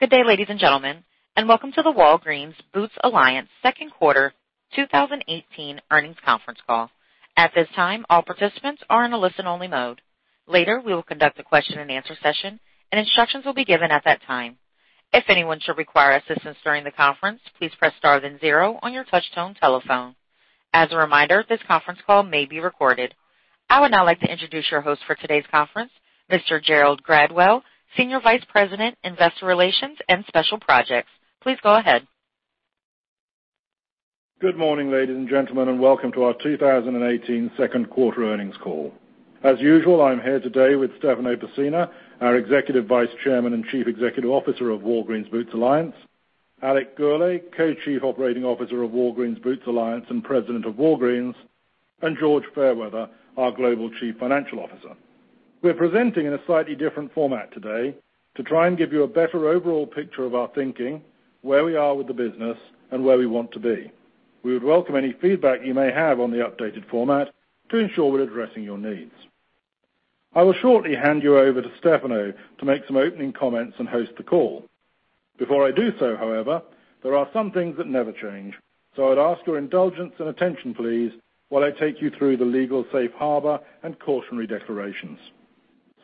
Good day, ladies and gentlemen, and welcome to the Walgreens Boots Alliance second quarter 2018 earnings conference call. At this time, all participants are in a listen-only mode. Later, we will conduct a question and answer session, and instructions will be given at that time. If anyone should require assistance during the conference, please press star then zero on your touchtone telephone. As a reminder, this conference call may be recorded. I would now like to introduce your host for today's conference, Mr. Gerald Gradwell, Senior Vice President, Investor Relations and Special Projects. Please go ahead. Good morning, ladies and gentlemen, and welcome to our 2018 second quarter earnings call. As usual, I'm here today with Stefano Pessina, our Executive Vice Chairman and Chief Executive Officer of Walgreens Boots Alliance, Alex Gourlay, Co-Chief Operating Officer of Walgreens Boots Alliance and President of Walgreens, and George Fairweather, our Global Chief Financial Officer. We're presenting in a slightly different format today to try and give you a better overall picture of our thinking, where we are with the business, and where we want to be. We would welcome any feedback you may have on the updated format to ensure we're addressing your needs. I will shortly hand you over to Stefano to make some opening comments and host the call. Before I do so, however, there are some things that never change. I'd ask your indulgence and attention please while I take you through the legal safe harbor and cautionary declarations.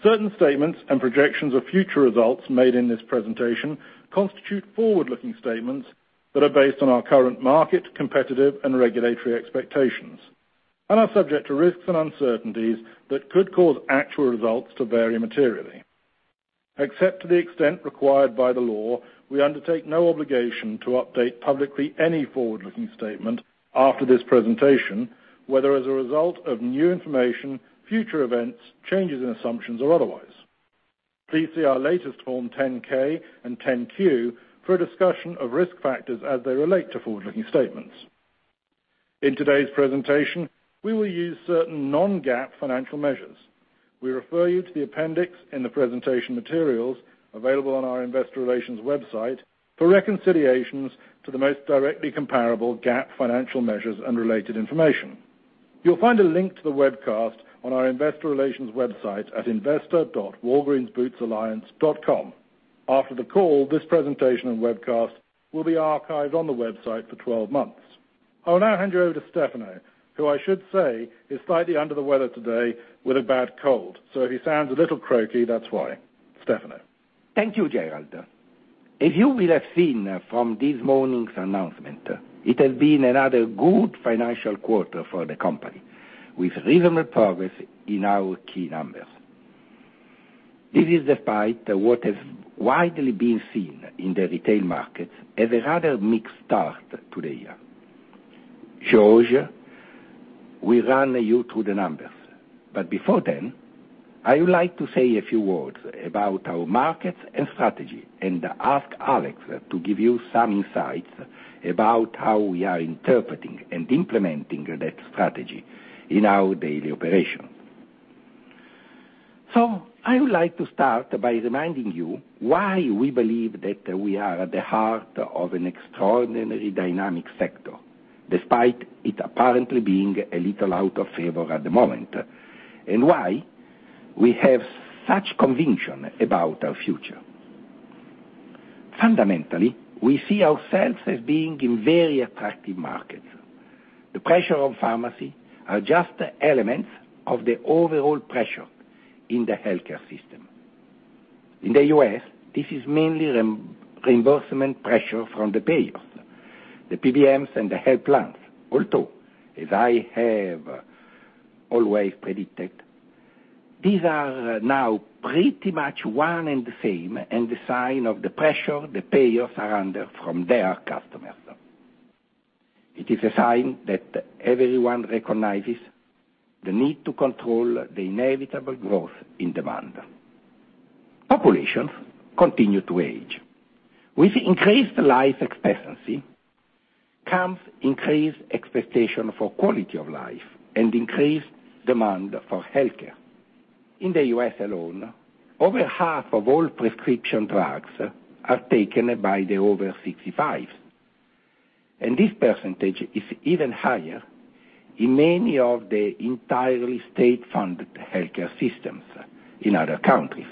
Certain statements and projections of future results made in this presentation constitute forward-looking statements that are based on our current market, competitive, and regulatory expectations and are subject to risks and uncertainties that could cause actual results to vary materially. Except to the extent required by the law, we undertake no obligation to update publicly any forward-looking statement after this presentation, whether as a result of new information, future events, changes in assumptions, or otherwise. Please see our latest Form 10-K and 10-Q for a discussion of risk factors as they relate to forward-looking statements. In today's presentation, we will use certain non-GAAP financial measures. We refer you to the appendix in the presentation materials available on our investor relations website for reconciliations to the most directly comparable GAAP financial measures and related information. You'll find a link to the webcast on our investor relations website at investor.walgreensbootsalliance.com. After the call, this presentation and webcast will be archived on the website for 12 months. I will now hand you over to Stefano, who I should say is slightly under the weather today with a bad cold. If he sounds a little croaky, that's why. Stefano. Thank you, Gerald. As you will have seen from this morning's announcement, it has been another good financial quarter for the company, with reasonable progress in our key numbers. This is despite what has widely been seen in the retail market as a rather mixed start to the year. George will run you through the numbers. Before then, I would like to say a few words about our markets and strategy and ask Alex to give you some insights about how we are interpreting and implementing that strategy in our daily operations. I would like to start by reminding you why we believe that we are at the heart of an extraordinarily dynamic sector, despite it apparently being a little out of favor at the moment, and why we have such conviction about our future. Fundamentally, we see ourselves as being in very attractive markets. The pressure on pharmacy are just elements of the overall pressure in the healthcare system. In the U.S., this is mainly reimbursement pressure from the payers, the PBMs, and the health plans. Although, as I have always predicted, these are now pretty much one and the same and a sign of the pressure the payers are under from their customers. It is a sign that everyone recognizes the need to control the inevitable growth in demand. Populations continue to age. With increased life expectancy comes increased expectation for quality of life and increased demand for healthcare. In the U.S. alone, over half of all prescription drugs are taken by the over 65s, and this % is even higher in many of the entirely state-funded healthcare systems in other countries.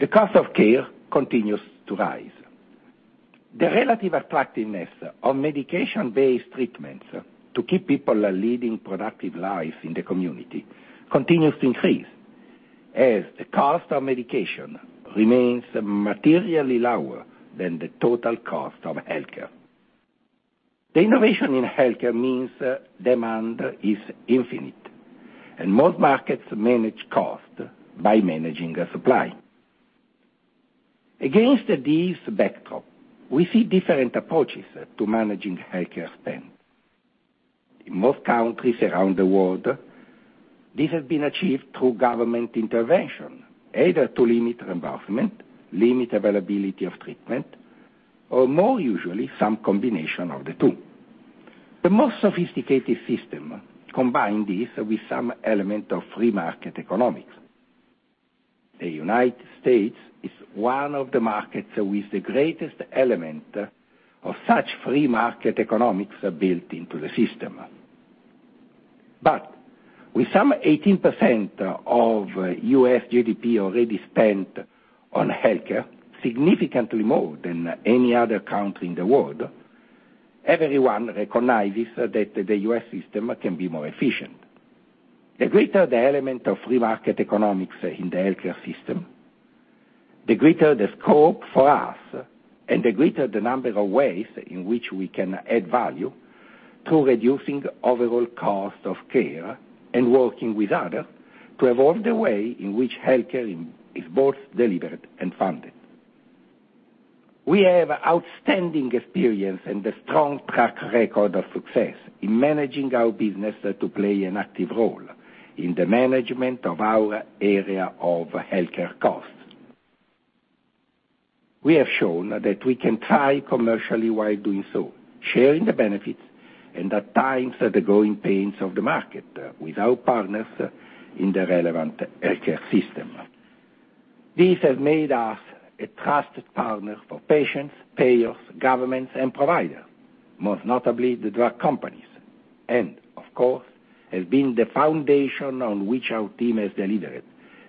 The cost of care continues to rise. The relative attractiveness of medication-based treatments to keep people leading productive lives in the community continues to increase as the cost of medication remains materially lower than the total cost of healthcare. The innovation in healthcare means demand is infinite and most markets manage cost by managing supply. Against this backdrop, we see different approaches to managing healthcare spend. In most countries around the world, this has been achieved through government intervention, either to limit reimbursement, limit availability of treatment, or more usually, some combination of the two. The most sophisticated system combine this with some element of free market economics. The United States is one of the markets with the greatest element of such free market economics built into the system. With some 18% of U.S. GDP already spent on healthcare, significantly more than any other country in the world, everyone recognizes that the U.S. system can be more efficient. The greater the element of free market economics in the healthcare system, the greater the scope for us, and the greater the number of ways in which we can add value to reducing overall cost of care and working with others to evolve the way in which healthcare is both delivered and funded. We have outstanding experience and a strong track record of success in managing our business to play an active role in the management of our area of healthcare costs. We have shown that we can tie commercially while doing so, sharing the benefits and at times, the growing pains of the market with our partners in the relevant healthcare system. This has made us a trusted partner for patients, payers, governments, and providers, most notably the drug companies, and, of course, has been the foundation on which our team has delivered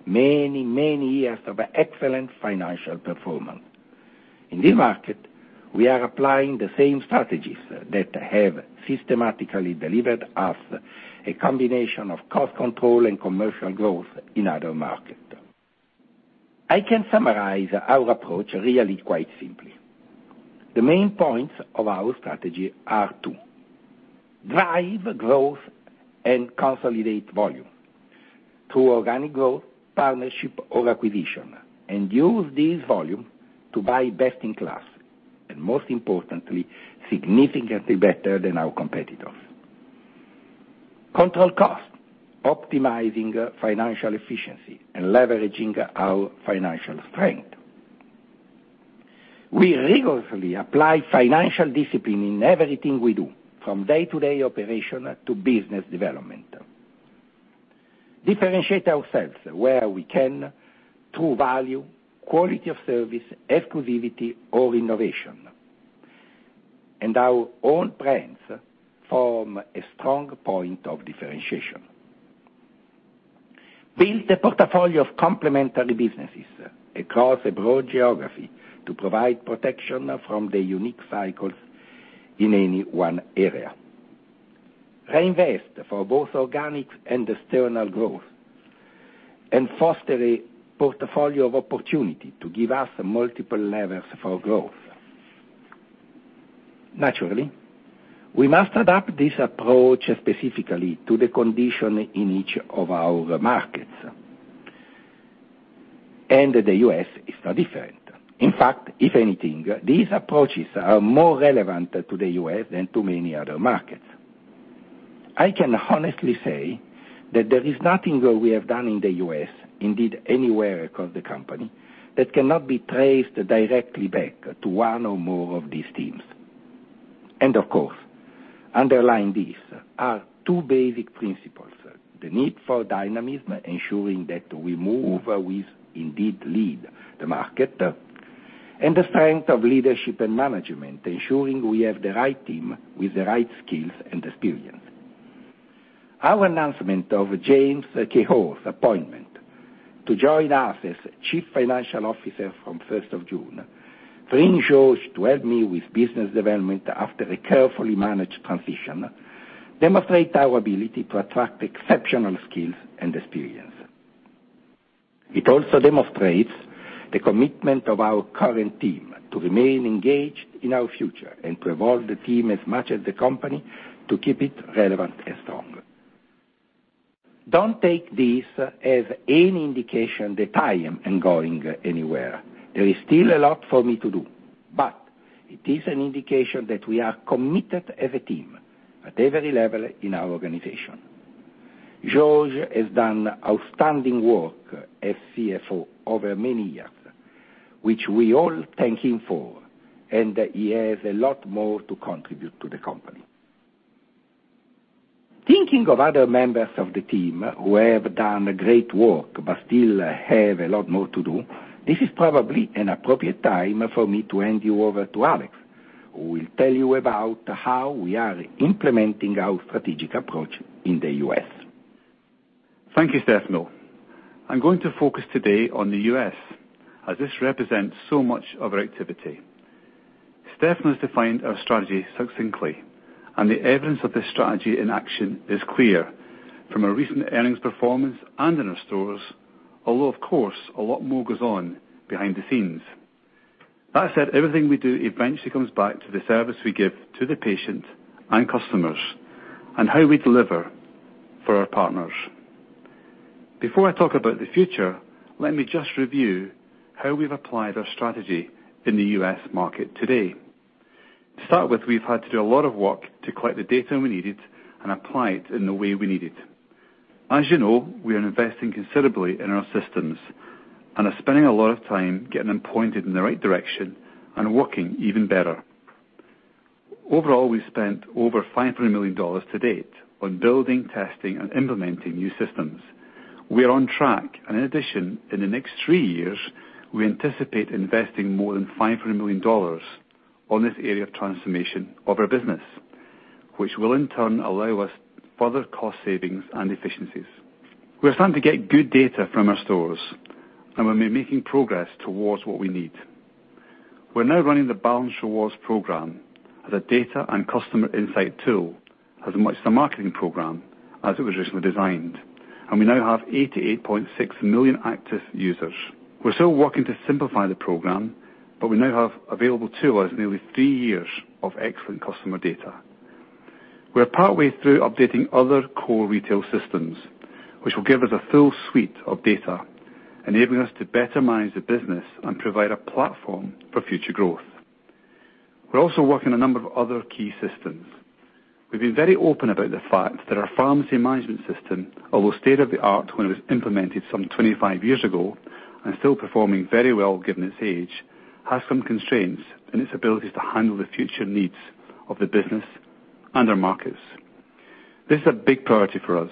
many years of excellent financial performance. In this market, we are applying the same strategies that have systematically delivered us a combination of cost control and commercial growth in other markets. I can summarize our approach really quite simply. The main points of our strategy are to drive growth and consolidate volume through organic growth, partnership or acquisition, and use this volume to buy best in class, and most importantly, significantly better than our competitors. Control cost, optimizing financial efficiency, and leveraging our financial strength. We rigorously apply financial discipline in everything we do, from day-to-day operation to business development. Differentiate ourselves where we can through value, quality of service, exclusivity or innovation. Our own brands form a strong point of differentiation. Build a portfolio of complementary businesses across a broad geography to provide protection from the unique cycles in any one area. Reinvest for both organic and external growth, and foster a portfolio of opportunity to give us multiple levers for growth. Naturally, we must adapt this approach specifically to the condition in each of our markets. The U.S. is no different. In fact, if anything, these approaches are more relevant to the U.S. than to many other markets. I can honestly say that there is nothing we have done in the U.S., indeed anywhere across the company, that cannot be traced directly back to one or more of these themes. Of course, underlying these are two basic principles. The need for dynamism, ensuring that we move with, indeed lead the market, and the strength of leadership and management, ensuring we have the right team with the right skills and experience. Our announcement of James Kehoe's appointment to join us as Chief Financial Officer from 1st of June, bringing George to help me with business development after a carefully managed transition, demonstrate our ability to attract exceptional skills and experience. It also demonstrates the commitment of our current team to remain engaged in our future and to evolve the team as much as the company to keep it relevant and strong. Don't take this as any indication that I am going anywhere. There is still a lot for me to do, but it is an indication that we are committed as a team at every level in our organization. George has done outstanding work as CFO over many years, which we all thank him for, and he has a lot more to contribute to the company. Thinking of other members of the team who have done great work but still have a lot more to do, this is probably an appropriate time for me to hand you over to Alex, who will tell you about how we are implementing our strategic approach in the U.S. Thank you, Stefano. I'm going to focus today on the U.S., as this represents so much of our activity. Stefano's defined our strategy succinctly, and the evidence of this strategy in action is clear from our recent earnings performance and in our stores, although, of course, a lot more goes on behind the scenes. That said, everything we do eventually comes back to the service we give to the patient and customers and how we deliver for our partners. Before I talk about the future, let me just review how we've applied our strategy in the U.S. market today. To start with, we've had to do a lot of work to collect the data we needed and apply it in the way we need it. As you know, we are investing considerably in our systems and are spending a lot of time getting them pointed in the right direction and working even better. Overall, we spent over $500 million to date on building, testing, and implementing new systems. We are on track. In addition, in the next three years, we anticipate investing more than $500 million on this area of transformation of our business, which will in turn allow us further cost savings and efficiencies. We're starting to get good data from our stores, and we've been making progress towards what we need. We're now running the Balance Rewards program as a data and customer insight tool as much as a marketing program as it was originally designed. We now have 88.6 million active users. We're still working to simplify the program, but we now have available to us nearly three years of excellent customer data. We are partway through updating other core retail systems, which will give us a full suite of data, enabling us to better manage the business and provide a platform for future growth. We're also working a number of other key systems. We've been very open about the fact that our pharmacy management system, although state-of-the-art when it was implemented some 25 years ago and still performing very well, given its age, has some constraints in its abilities to handle the future needs of the business and our markets. This is a big priority for us.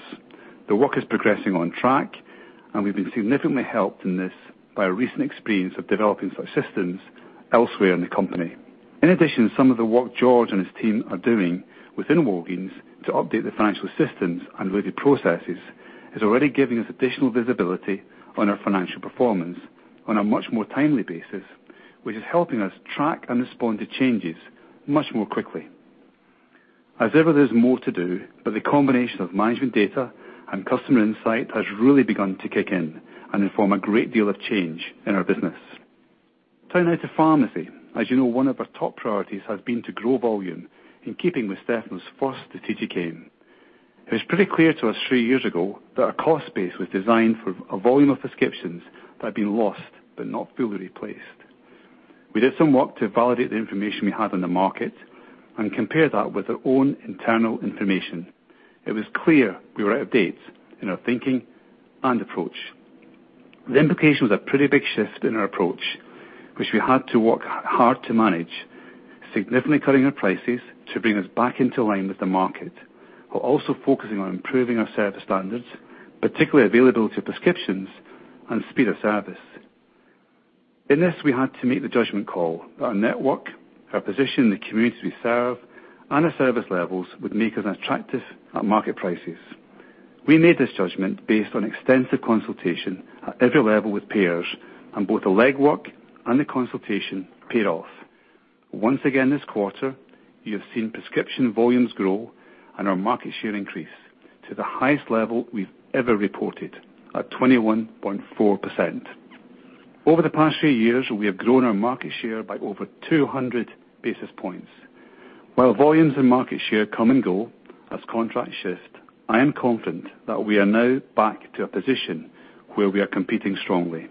We've been significantly helped in this by our recent experience of developing such systems elsewhere in the company. In addition, some of the work George and his team are doing within Walgreens to update the financial systems and related processes is already giving us additional visibility on our financial performance on a much more timely basis, which is helping us track and respond to changes much more quickly. As ever, there's more to do, but the combination of management data and customer insight has really begun to kick in and inform a great deal of change in our business. Turning now to pharmacy. As you know, one of our top priorities has been to grow volume in keeping with Stefano's first strategic aim. It was pretty clear to us three years ago that our cost base was designed for a volume of prescriptions that had been lost, but not fully replaced. We did some work to validate the information we had on the market and compare that with our own internal information. It was clear we were out of date in our thinking and approach. The implication was a pretty big shift in our approach, which we had to work hard to manage, significantly cutting our prices to bring us back into line with the market, while also focusing on improving our service standards, particularly availability of prescriptions and speed of service. In this, we had to make the judgment call that our network, our position in the communities we serve, and our service levels would make us attractive at market prices. We made this judgment based on extensive consultation at every level with payers and both the legwork and the consultation paid off. Once again, this quarter, you have seen prescription volumes grow and our market share increase to the highest level we've ever reported at 21.4%. Over the past three years, we have grown our market share by over 200 basis points. While volumes and market share come and go as contracts shift, I am confident that we are now back to a position where we are competing strongly.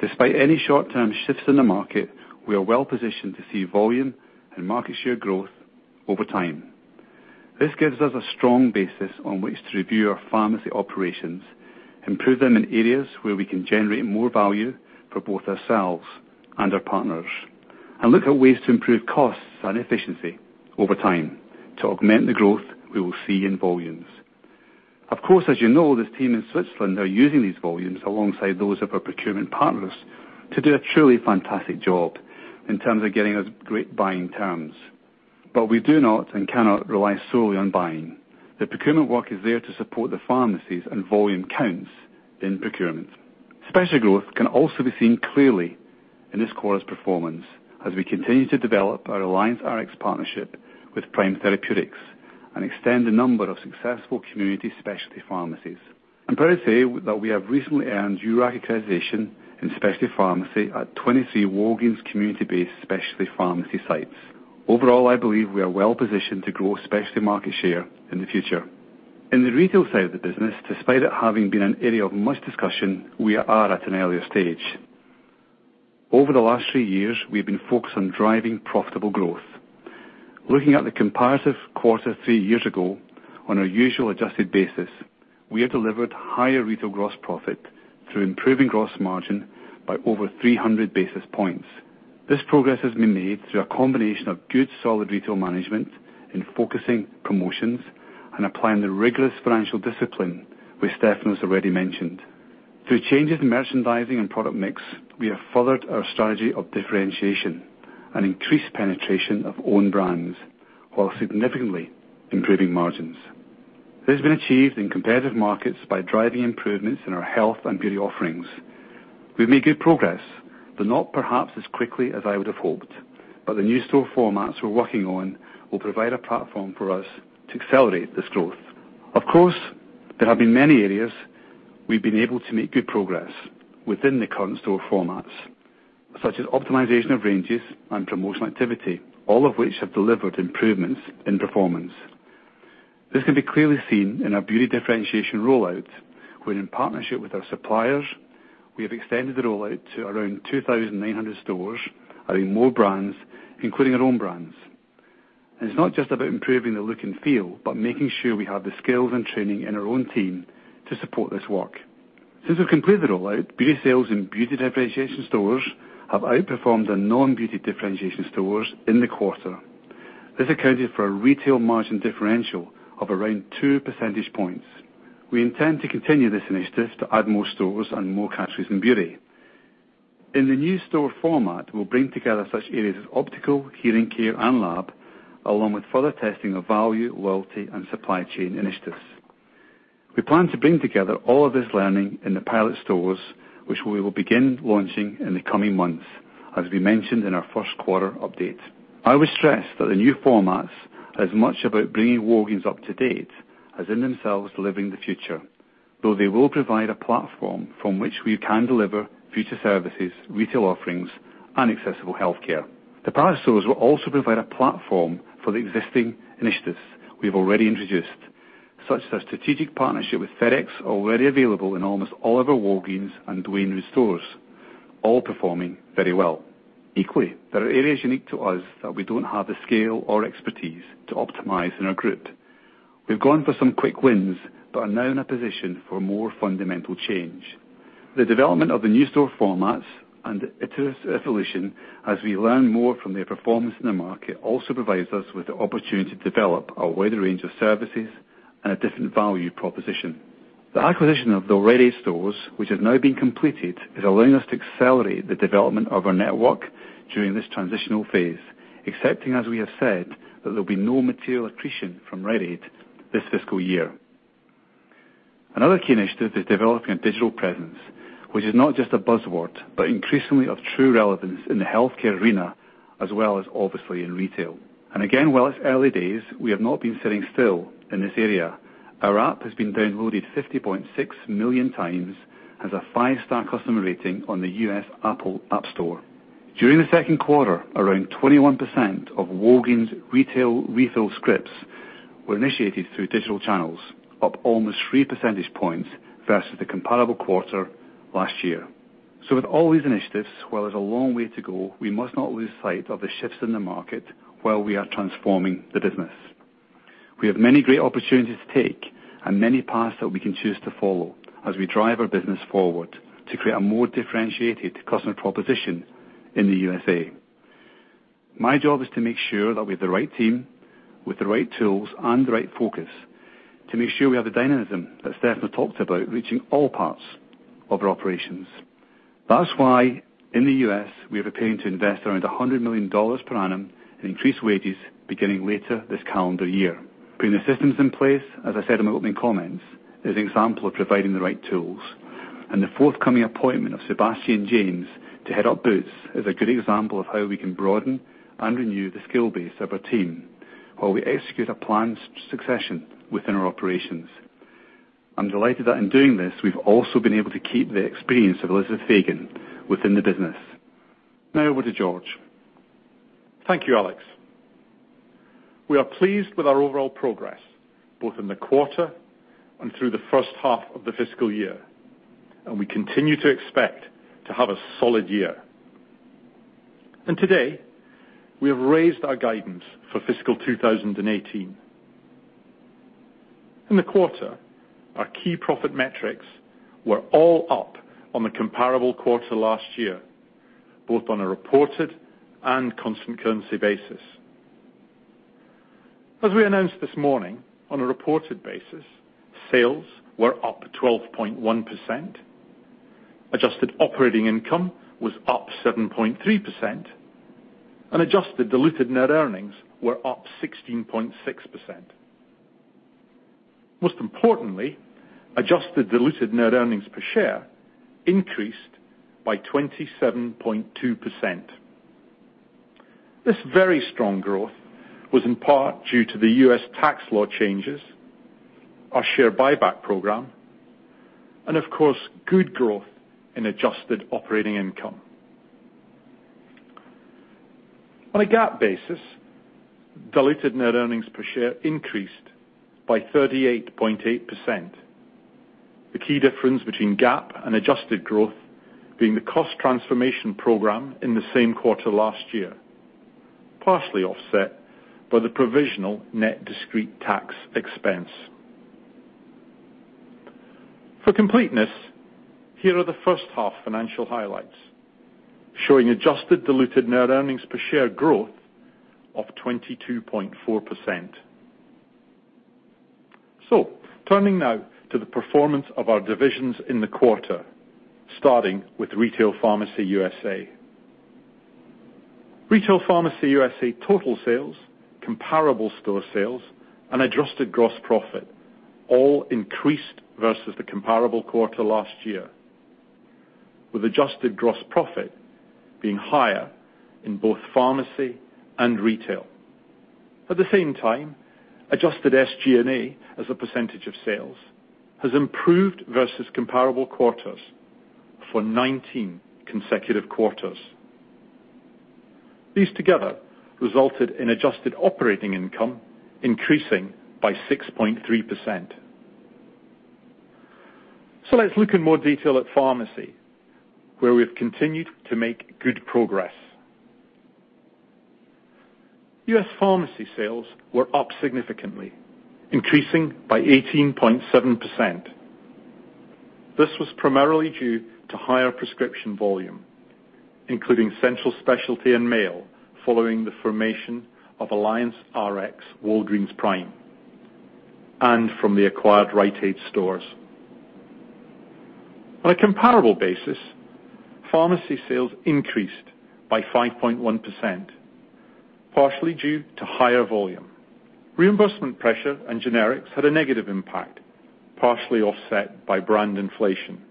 Despite any short-term shifts in the market, we are well-positioned to see volume and market share growth over time. This gives us a strong basis on which to review our pharmacy operations, improve them in areas where we can generate more value for both ourselves and our partners, and look at ways to improve costs and efficiency over time to augment the growth we will see in volumes. Of course, as you know, the team in Switzerland are using these volumes alongside those of our procurement partners to do a truly fantastic job in terms of getting us great buying terms. We do not and cannot rely solely on buying. The procurement work is there to support the pharmacies and volume counts in procurement. Specialty growth can also be seen clearly in this quarter's performance as we continue to develop our AllianceRx partnership with Prime Therapeutics and extend the number of successful community specialty pharmacies. I'm proud to say that we have recently earned URAC accreditation in specialty pharmacy at 23 Walgreens community-based specialty pharmacy sites. Overall, I believe we are well-positioned to grow specialty market share in the future. In the retail side of the business, despite it having been an area of much discussion, we are at an earlier stage. Over the last three years, we have been focused on driving profitable growth. Looking at the comparative quarter three years ago on a usual adjusted basis, we have delivered higher retail gross profit through improving gross margin by over 300 basis points. This progress has been made through a combination of good solid retail management in focusing promotions and applying the rigorous financial discipline, which Stefano's already mentioned. Through changes in merchandising and product mix, we have furthered our strategy of differentiation and increased penetration of own brands while significantly improving margins. This has been achieved in competitive markets by driving improvements in our health and beauty offerings. We've made good progress, but not perhaps as quickly as I would have hoped. The new store formats we're working on will provide a platform for us to accelerate this growth. Of course, there have been many areas we've been able to make good progress within the current store formats, such as optimization of ranges and promotional activity, all of which have delivered improvements in performance. This can be clearly seen in our beauty differentiation rollout, where in partnership with our suppliers, we have extended the rollout to around 2,900 stores, adding more brands, including our own brands. It's not just about improving the look and feel, but making sure we have the skills and training in our own team to support this work. Since we've completed the rollout, beauty sales in beauty differentiation stores have outperformed our non-beauty differentiation stores in the quarter. This accounted for a retail margin differential of around two percentage points. We intend to continue this initiative to add more stores and more categories in beauty. In the new store format, we'll bring together such areas as optical, hearing care, and lab, along with further testing of value, loyalty, and supply chain initiatives. We plan to bring together all of this learning in the pilot stores, which we will begin launching in the coming months, as we mentioned in our first quarter update. I would stress that the new formats is as much about bringing Walgreens up to date as in themselves living the future, though they will provide a platform from which we can deliver future services, retail offerings, and accessible healthcare. The pilot stores will also provide a platform for the existing initiatives we've already introduced, such as strategic partnership with FedEx, already available in almost all of our Walgreens and Duane Reade stores, all performing very well. Equally, there are areas unique to us that we don't have the scale or expertise to optimize in our group. We've gone for some quick wins but are now in a position for more fundamental change. The development of the new store formats and its evolution as we learn more from their performance in the market also provides us with the opportunity to develop a wider range of services and a different value proposition. The acquisition of the Rite Aid stores, which has now been completed, is allowing us to accelerate the development of our network during this transitional phase, excepting, as we have said, that there'll be no material accretion from Rite Aid this fiscal year. Another key initiative is developing a digital presence, which is not just a buzzword, but increasingly of true relevance in the healthcare arena, as well as obviously in retail. Again, while it's early days, we have not been sitting still in this area. Our app has been downloaded 50.6 million times, has a five-star customer rating on the U.S. Apple App Store. During the second quarter, around 21% of Walgreens refill scripts were initiated through digital channels, up almost three percentage points versus the comparable quarter last year. With all these initiatives, while there's a long way to go, we must not lose sight of the shifts in the market while we are transforming the business. We have many great opportunities to take and many paths that we can choose to follow as we drive our business forward to create a more differentiated customer proposition in the USA. My job is to make sure that we have the right team with the right tools and the right focus to make sure we have the dynamism that Stefano talked about, reaching all parts of our operations. That's why in the U.S., we are preparing to invest around $100 million per annum in increased wages beginning later this calendar year. Putting the systems in place, as I said in my opening comments, is an example of providing the right tools, and the forthcoming appointment of Sebastian James to head up Boots is a good example of how we can broaden and renew the skill base of our team while we execute a planned succession within our operations. I'm delighted that in doing this, we've also been able to keep the experience of Elizabeth Fagan within the business. Over to George. Thank you, Alex. We are pleased with our overall progress, both in the quarter and through the first half of the fiscal year, and we continue to expect to have a solid year. Today, we have raised our guidance for fiscal 2018. In the quarter, our key profit metrics were all up on the comparable quarter last year, both on a reported and constant currency basis. As we announced this morning, on a reported basis, sales were up 12.1%, adjusted operating income was up 7.3%, and adjusted diluted net earnings were up 16.6%. Most importantly, adjusted diluted net earnings per share increased by 27.2%. This very strong growth was in part due to the U.S. tax law changes, our share buyback program, and of course, good growth in adjusted operating income. On a GAAP basis, diluted net earnings per share increased by 38.8%. The key difference between GAAP and adjusted growth being the cost transformation program in the same quarter last year, partially offset by the provisional net discrete tax expense. For completeness, here are the first half financial highlights, showing adjusted diluted net earnings per share growth of 22.4%. Turning now to the performance of our divisions in the quarter, starting with Retail Pharmacy USA. Retail Pharmacy USA total sales, comparable store sales, and adjusted gross profit all increased versus the comparable quarter last year, with adjusted gross profit being higher in both pharmacy and retail. At the same time, adjusted SG&A as a percentage of sales has improved versus comparable quarters for 19 consecutive quarters. These together resulted in adjusted operating income increasing by 6.3%. Let's look in more detail at pharmacy, where we've continued to make good progress. U.S. pharmacy sales were up significantly, increasing by 18.7%. This was primarily due to higher prescription volume, including central specialty and mail, following the formation of AllianceRx Walgreens Prime and from the acquired Rite Aid stores. On a comparable basis, pharmacy sales increased by 5.1%, partially due to higher volume. Reimbursement pressure and generics had a negative impact, partially offset by brand inflation.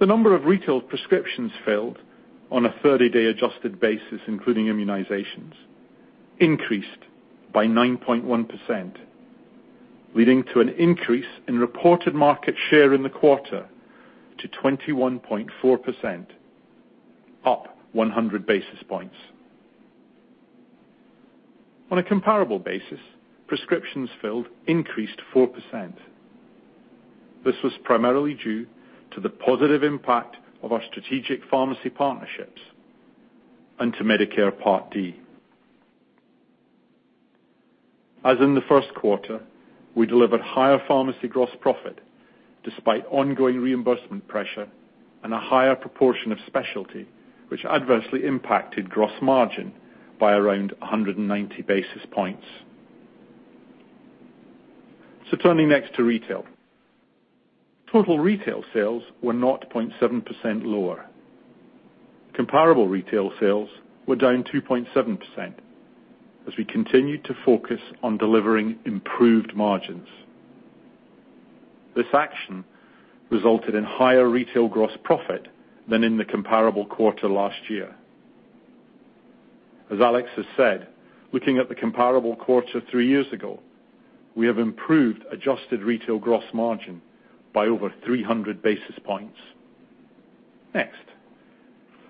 The number of retail prescriptions filled on a 30-day adjusted basis, including immunizations, increased by 9.1%, leading to an increase in reported market share in the quarter to 21.4%, up 100 basis points. On a comparable basis, prescriptions filled increased 4%. This was primarily due to the positive impact of our strategic pharmacy partnerships and to Medicare Part D. As in the first quarter, we delivered higher pharmacy gross profit despite ongoing reimbursement pressure and a higher proportion of specialty, which adversely impacted gross margin by around 190 basis points. Turning next to retail. Total retail sales were 0.7% lower. Comparable retail sales were down 2.7% as we continued to focus on delivering improved margins. This action resulted in higher retail gross profit than in the comparable quarter last year. As Alex has said, looking at the comparable quarter 3 years ago, we have improved adjusted retail gross margin by over 300 basis points. Next,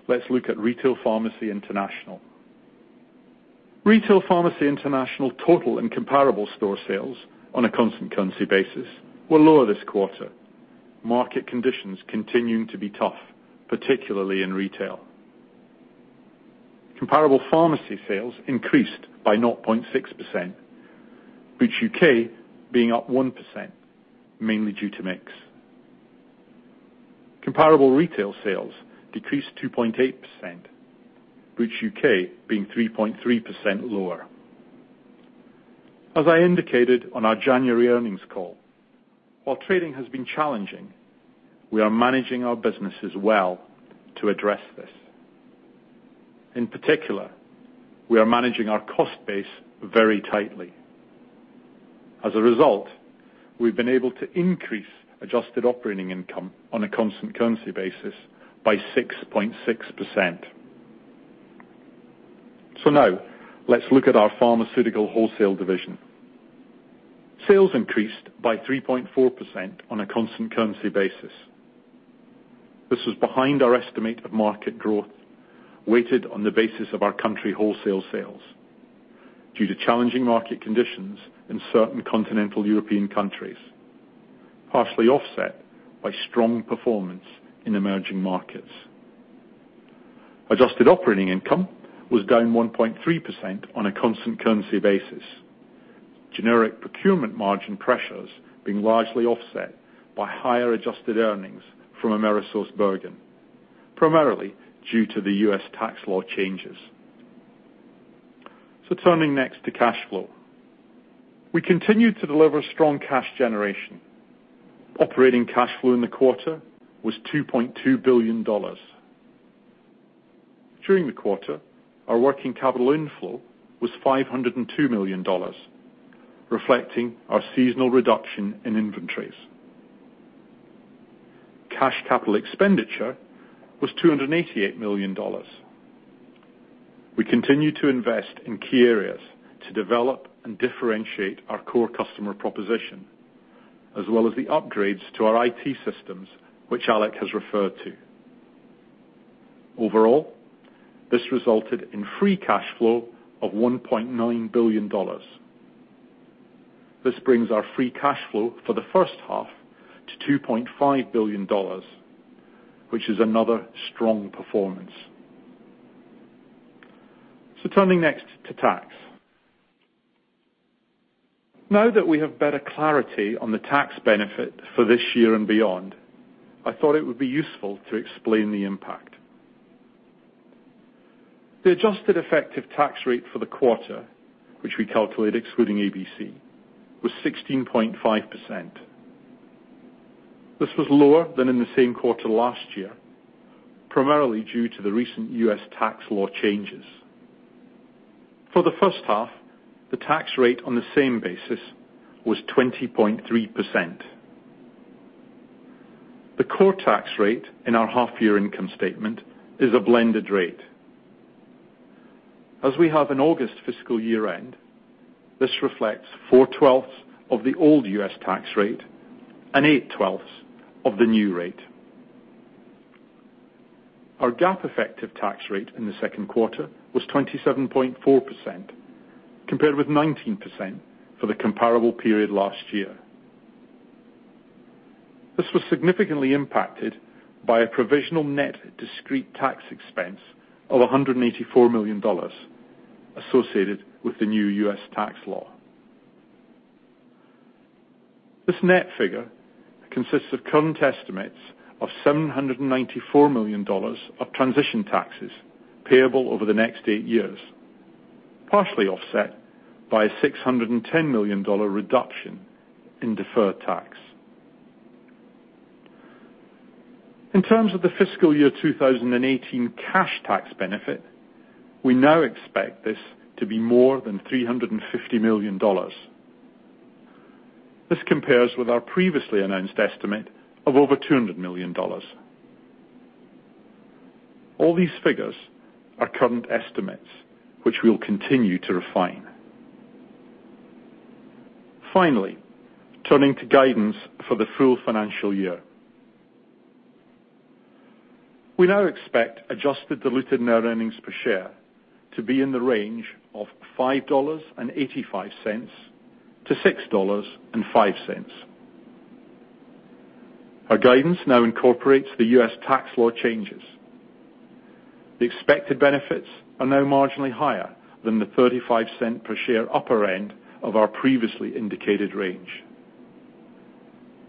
let's look at Retail Pharmacy International. Retail Pharmacy International total and comparable store sales on a constant currency basis were lower this quarter. Market conditions continuing to be tough, particularly in retail. Comparable pharmacy sales increased by 0.6%, Boots UK being up 1%, mainly due to mix. Comparable retail sales decreased 2.8%, Boots UK being 3.3% lower. As I indicated on our January earnings call, while trading has been challenging, we are managing our businesses well to address this. In particular, we are managing our cost base very tightly. As a result, we've been able to increase adjusted operating income on a constant currency basis by 6.6%. Now let's look at our Pharmaceutical Wholesale division. Sales increased by 3.4% on a constant currency basis. This was behind our estimate of market growth, weighted on the basis of our country wholesale sales due to challenging market conditions in certain continental European countries, partially offset by strong performance in emerging markets. Adjusted operating income was down 1.3% on a constant currency basis. Generic procurement margin pressures being largely offset by higher adjusted earnings from AmerisourceBergen, primarily due to the U.S. tax law changes. Turning next to cash flow. We continued to deliver strong cash generation. Operating cash flow in the quarter was $2.2 billion. During the quarter, our working capital inflow was $502 million, reflecting our seasonal reduction in inventories. Cash capital expenditure was $288 million. We continue to invest in key areas to develop and differentiate our core customer proposition, as well as the upgrades to our IT systems, which Alex has referred to. Overall, this resulted in free cash flow of $1.9 billion. This brings our free cash flow for the first half to $2.5 billion, which is another strong performance. Turning next to tax. Now that we have better clarity on the tax benefit for this year and beyond, I thought it would be useful to explain the impact. The adjusted effective tax rate for the quarter, which we calculate excluding ABC, was 16.5%. This was lower than in the same quarter last year, primarily due to the recent U.S. tax law changes. For the first half, the tax rate on the same basis was 20.3%. The core tax rate in our half-year income statement is a blended rate. As we have an August fiscal year end, this reflects four-twelfths of the old U.S. tax rate and eight-twelfths of the new rate. Our GAAP effective tax rate in the second quarter was 27.4%, compared with 19% for the comparable period last year. This was significantly impacted by a provisional net discrete tax expense of $184 million associated with the new U.S. tax law. This net figure consists of current estimates of $794 million of transition taxes payable over the next 8 years, partially offset by a $610 million reduction in deferred tax. In terms of the fiscal year 2018 cash tax benefit, we now expect this to be more than $350 million. This compares with our previously announced estimate of over $200 million. All these figures are current estimates, which we'll continue to refine. Finally, turning to guidance for the full financial year. We now expect adjusted diluted net earnings per share to be in the range of $5.85-$6.05. Our guidance now incorporates the U.S. tax law changes. The expected benefits are now marginally higher than the $0.35 per share upper end of our previously indicated range.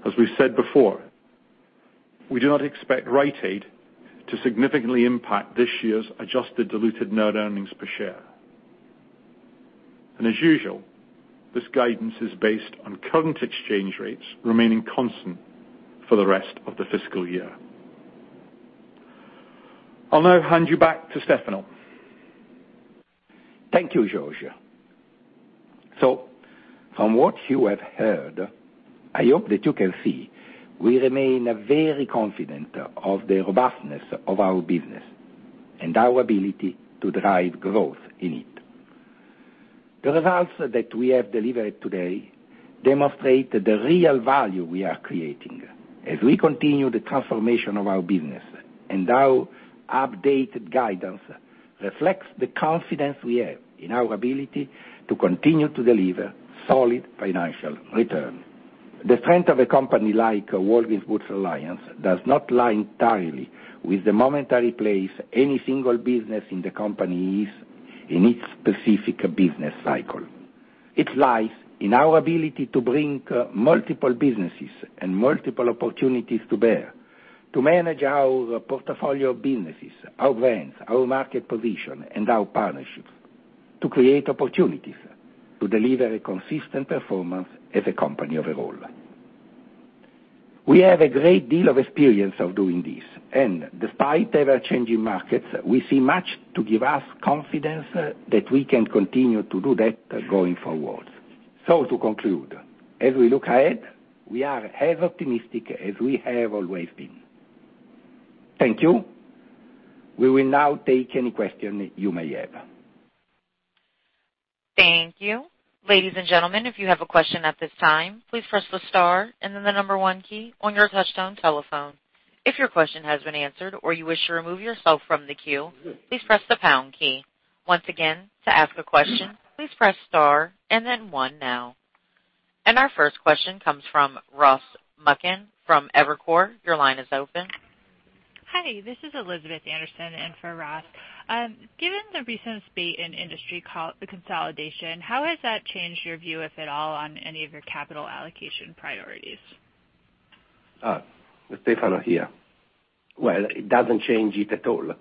As we said before, we do not expect Rite Aid to significantly impact this year's adjusted diluted net earnings per share. As usual, this guidance is based on current exchange rates remaining constant for the rest of the fiscal year. I'll now hand you back to Stefano. Thank you, George. From what you have heard, I hope that you can see we remain very confident of the robustness of our business and our ability to drive growth in it. The results that we have delivered today demonstrate the real value we are creating as we continue the transformation of our business. Our updated guidance reflects the confidence we have in our ability to continue to deliver solid financial return. The strength of a company like Walgreens Boots Alliance does not lie entirely with the momentary place any single business in the company is in its specific business cycle. It lies in our ability to bring multiple businesses and multiple opportunities to bear, to manage our portfolio of businesses, our brands, our market position, and our partnerships to create opportunities to deliver a consistent performance as a company overall. We have a great deal of experience of doing this. Despite ever-changing markets, we see much to give us confidence that we can continue to do that going forward. To conclude, as we look ahead, we are as optimistic as we have always been. Thank you. We will now take any question you may have. Thank you. Ladies and gentlemen, if you have a question at this time, please press the star and then the number one key on your touchtone telephone. If your question has been answered or you wish to remove yourself from the queue, please press the pound key. Once again, to ask a question, please press star and then one now. Our first question comes from Ross Muken from Evercore. Your line is open. Hi, this is Elizabeth Anderson in for Ross. Given the recent spate in industry consolidation, how has that changed your view, if at all, on any of your capital allocation priorities? Stefano here. Well, it doesn't change it at all.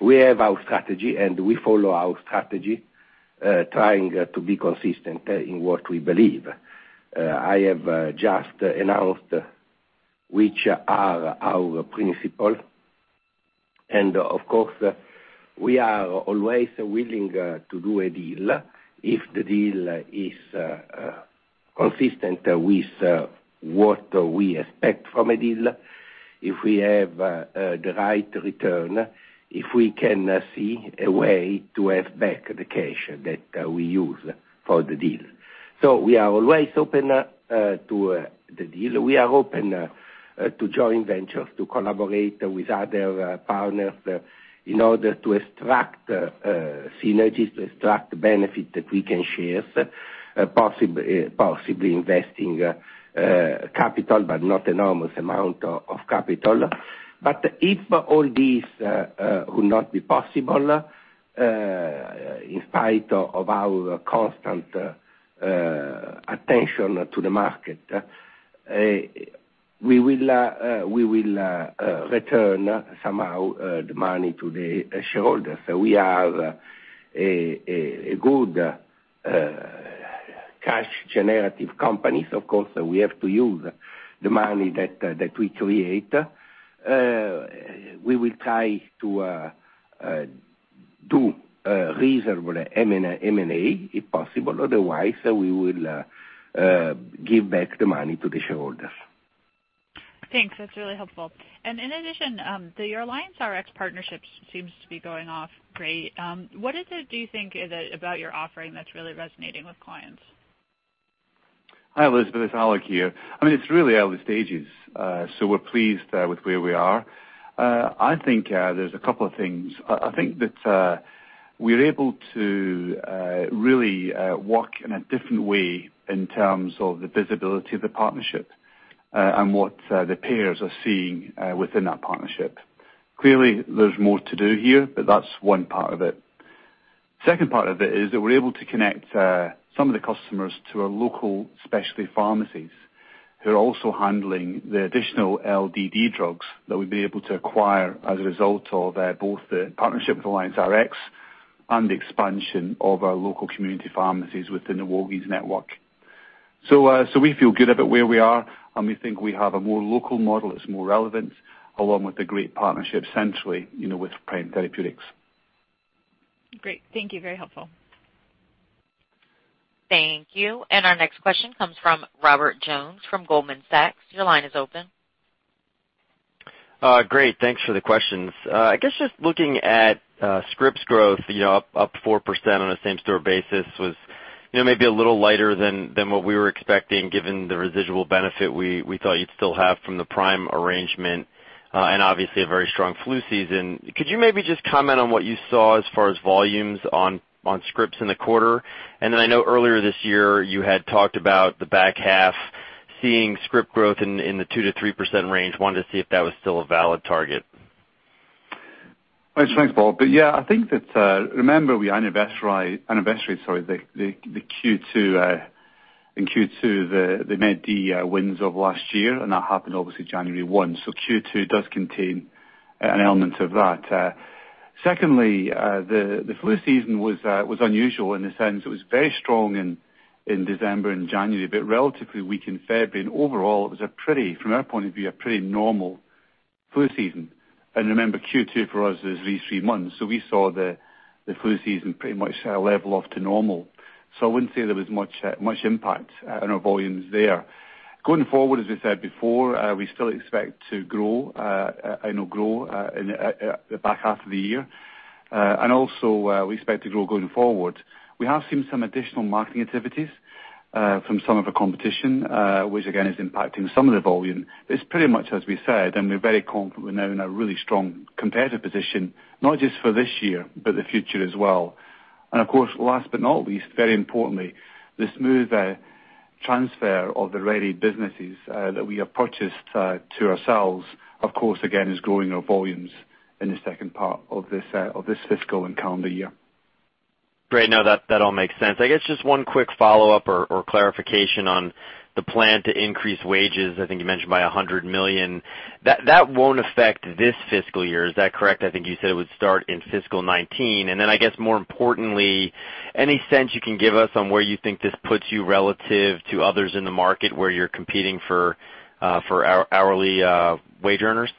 We have our strategy. We follow our strategy, trying to be consistent in what we believe. I have just announced which are our principles. Of course, we are always willing to do a deal if the deal is consistent with what we expect from a deal, if we have the right return, if we can see a way to have back the cash that we use for the deal. We are always open to the deal. We are open to joint ventures to collaborate with other partners in order to extract synergies, to extract benefit that we can share, possibly investing capital, but not enormous amount of capital. If all these will not be possible, in spite of our constant attention to the market, we will return somehow the money to the shareholders. We are a good cash generative company. Of course, we have to use the money that we create. We will try to do reasonable M&A if possible. Otherwise, we will give back the money to the shareholders. Thanks. That's really helpful. In addition, your AllianceRx partnership seems to be going off great. What is it, do you think, about your offering that's really resonating with clients? Hi, Elizabeth. It's Alex here. It's really early stages. We're pleased with where we are. I think there's a couple of things. We're able to really work in a different way in terms of the visibility of the partnership, and what the payers are seeing within that partnership. Clearly, there's more to do here, but that's one part of it. Second part of it is that we're able to connect some of the customers to our local specialty pharmacies, who are also handling the additional LDD drugs that we'd be able to acquire as a result of both the partnership with AllianceRx and the expansion of our local community pharmacies within the Walgreens network. We feel good about where we are, and we think we have a more local model that's more relevant, along with a great partnership centrally, with Prime Therapeutics. Great. Thank you, very helpful. Thank you. Our next question comes from Robert Jones from Goldman Sachs. Your line is open. Great, thanks for the questions. I guess just looking at scripts growth, up 4% on a same-store basis was maybe a little lighter than what we were expecting, given the residual benefit we thought you'd still have from the Prime arrangement, and obviously a very strong flu season. Could you maybe just comment on what you saw as far as volumes on scripts in the quarter? I know earlier this year, you had talked about the back half seeing script growth in the 2%-3% range. Wanted to see if that was still a valid target. Thanks, Robert. Yeah, I think that, remember, we anniversary the Q2, the Part D wins of last year, and that happened obviously January 1. Q2 does contain an element of that. Secondly, the flu season was unusual in the sense it was very strong in December and January, but relatively weak in February, and overall, from our point of view, a pretty normal flu season. Remember, Q2 for us is these three months. We saw the flu season pretty much level off to normal. I wouldn't say there was much impact on our volumes there. Going forward, as I said before, we still expect to grow in the back half of the year. Also, we expect to grow going forward. We have seen some additional marketing activities, from some of the competition, which again, is impacting some of the volume. It's pretty much as we said, we're very confident we're now in a really strong competitive position, not just for this year, but the future as well. Of course, last but not least, very importantly, the smooth transfer of the Rite Aid businesses that we have purchased to ourselves, of course, again, is growing our volumes in the second part of this fiscal and calendar year. Great. No, that all makes sense. I guess just one quick follow-up or clarification on the plan to increase wages, I think you mentioned by $100 million. That won't affect this fiscal year. Is that correct? I think you said it would start in fiscal 2019. I guess more importantly, any sense you can give us on where you think this puts you relative to others in the market where you're competing for hourly wage earners?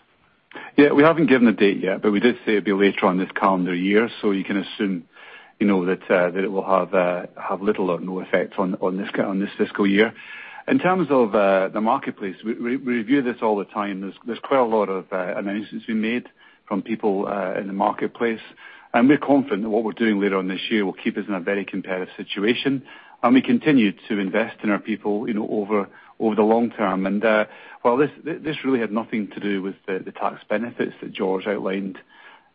Yeah. We haven't given a date yet, but we did say it'd be later on this calendar year, so you can assume that it will have little or no effect on this fiscal year. In terms of the marketplace, we review this all the time. There's quite a lot of announcements being made from people in the marketplace. We're confident that what we're doing later on this year will keep us in a very competitive situation. We continue to invest in our people over the long term. While this really had nothing to do with the tax benefits that George outlined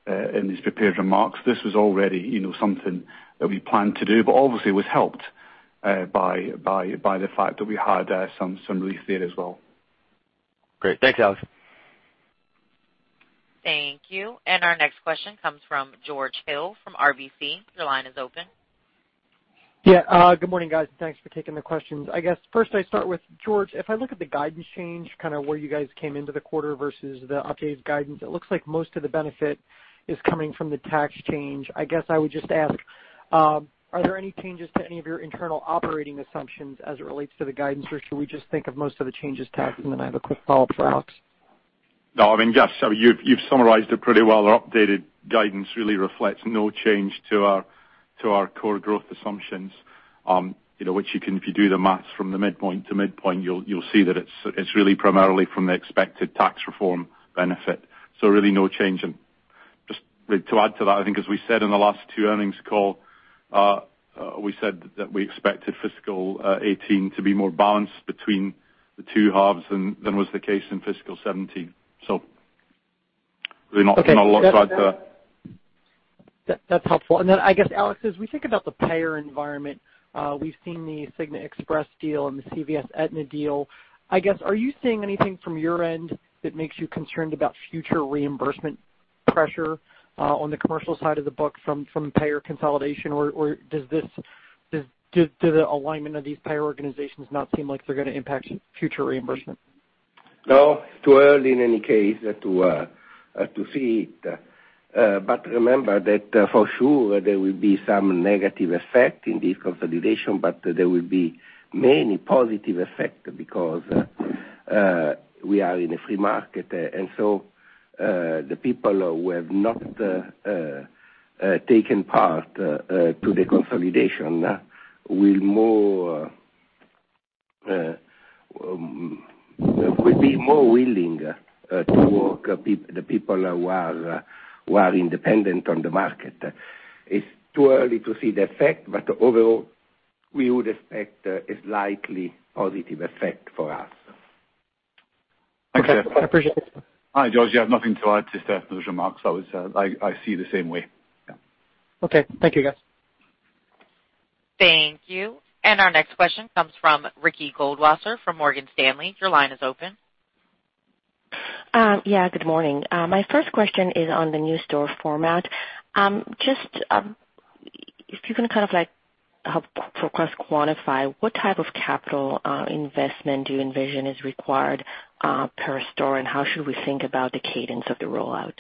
in his prepared remarks, this was already something that we planned to do, but obviously was helped by the fact that we had some relief there as well. Great. Thanks, Alex. Thank you. Our next question comes from George Hill from RBC. Your line is open. Yeah. Good morning, guys. Thanks for taking the questions. I guess, first I start with George. If I look at the guidance change, where you guys came into the quarter versus the updated guidance, it looks like most of the benefit is coming from the tax change. I guess I would just ask, are there any changes to any of your internal operating assumptions as it relates to the guidance, or should we just think of most of the changes tax? Then I have a quick follow-up for Alex. No, I mean, just you've summarized it pretty well. Our updated guidance really reflects no change to our core growth assumptions. If you do the math from the midpoint to midpoint, you'll see that it's really primarily from the expected tax reform benefit. Really no change. Just to add to that, I think as we said in the last two earnings call, we said that we expected fiscal 2018 to be more balanced between the two halves than was the case in fiscal 2017. Really not a lot to add to that. That's helpful. I guess, Alex, as we think about the payer environment, we've seen the Cigna Express deal and the CVS Aetna deal. I guess, are you seeing anything from your end that makes you concerned about future reimbursement pressure on the commercial side of the book from payer consolidation, or do the alignment of these payer organizations not seem like they're going to impact future reimbursement? No. Too early in any case to see it. Remember that for sure, there will be some negative effect in this consolidation, but there will be many positive effect because we are in a free market. The people who have not taken part to the consolidation will be more willing to work. The people who are independent on the market. It's too early to see the effect, but overall, we would expect a slightly positive effect for us. Okay. I appreciate it. Hi, George. Yeah, nothing to add to Stefano's remarks. I see it the same way. Yeah. Okay. Thank you, guys. Thank you. Our next question comes from Ricky Goldwasser from Morgan Stanley. Your line is open. Yeah, good morning. My first question is on the new store format. Just if you can kind of help for us quantify what type of capital investment do you envision is required per store, and how should we think about the cadence of the rollout?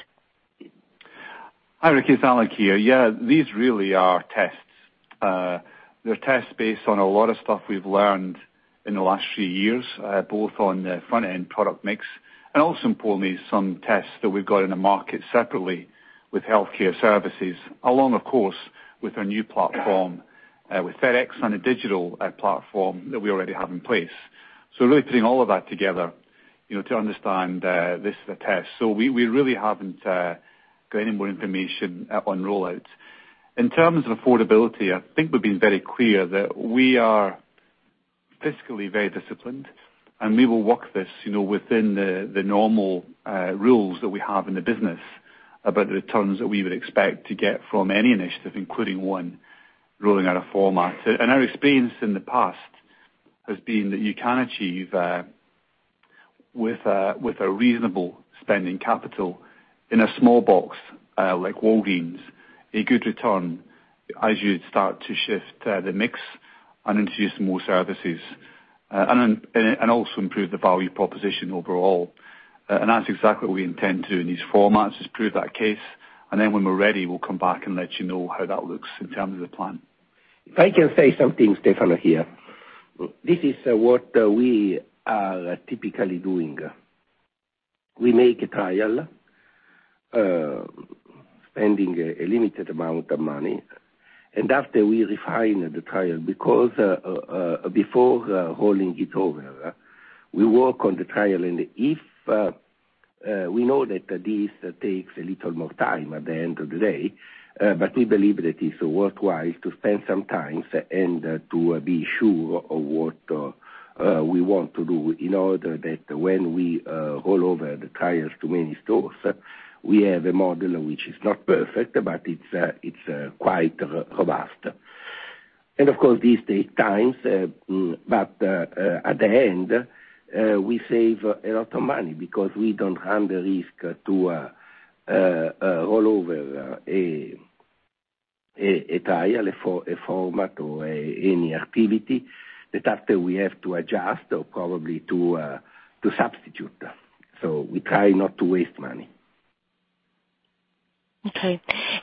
Hi, Ricky, it's Alex here. Yeah, these really are tests. They're tests based on a lot of stuff we've learned in the last few years, both on the front-end product mix and also importantly, some tests that we've got in the market separately with healthcare services, along, of course, with our new platform, with FedEx and a digital platform that we already have in place. Really putting all of that together to understand this is a test. We really haven't got any more information on rollouts. In terms of affordability, I think we've been very clear that we are fiscally very disciplined, and we will work this within the normal rules that we have in the business about the returns that we would expect to get from any initiative, including one rolling out a format. Our experience in the past has been that you can achieve with a reasonable spending capital in a small box like Walgreens, a good return as you'd start to shift the mix and introduce more services and also improve the value proposition overall. That's exactly what we intend to do in these formats, is prove that case, and then when we're ready, we'll come back and let you know how that looks in terms of the plan. If I can say something, Stefano here. This is what we are typically doing. We make a trial, spending a limited amount of money, and after we refine the trial because before rolling it over, we work on the trial. If we know that this takes a little more time at the end of the day, but we believe that it's worthwhile to spend some time and to be sure of what we want to do in order that when we roll over the trials to many stores, we have a model which is not perfect, but it's quite robust. Of course, these take times, but at the end, we save a lot of money because we don't run the risk to roll over a trial, a format, or any activity that after we have to adjust or probably to substitute. We try not to waste money. Okay.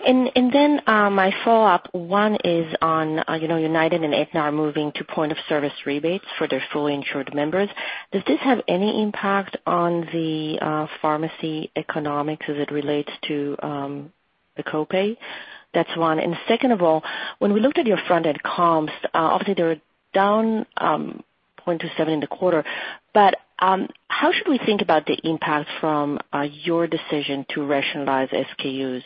My follow-up one is on United and Aetna are moving to point-of-sale rebates for their fully insured members. Does this have any impact on the pharmacy economics as it relates to the copay? That's one. Second of all, when we looked at your front-end comps, obviously they were down 0.27% in the quarter, but how should we think about the impact from your decision to rationalize SKUs?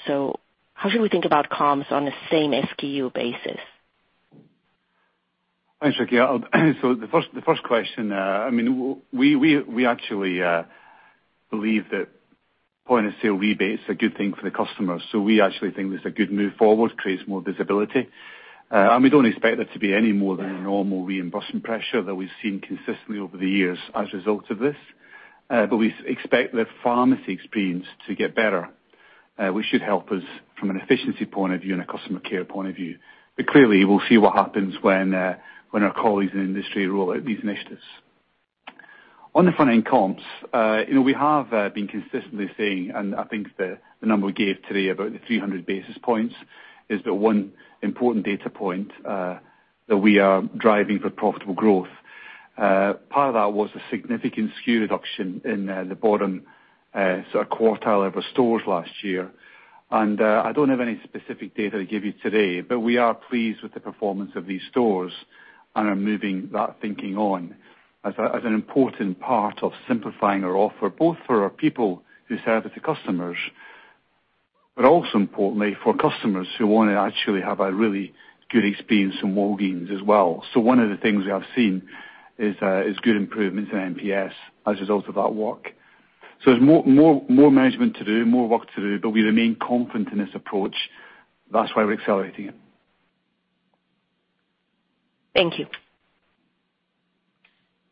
How should we think about comps on the same SKU basis? Thanks, Ricky. The first question, we actually believe that point-of-sale rebate is a good thing for the customer. We actually think it's a good move forward, creates more visibility. We don't expect there to be any more than a normal reimbursement pressure that we've seen consistently over the years as a result of this. We expect the pharmacy experience to get better, which should help us from an efficiency point of view and a customer care point of view. Clearly, we'll see what happens when our colleagues in industry roll out these initiatives. On the front-end comps, we have been consistently saying, and I think the number we gave today about the 300 basis points is the one important data point that we are driving for profitable growth. Part of that was a significant SKU reduction in the bottom quartile of our stores last year. I don't have any specific data to give you today, but we are pleased with the performance of these stores and are moving that thinking on as an important part of simplifying our offer, both for our people who service the customers, but also importantly for customers who want to actually have a really good experience from Walgreens as well. One of the things we have seen is good improvements in NPS as a result of that work. There's more management to do, more work to do, but we remain confident in this approach. That's why we're accelerating it. Thank you.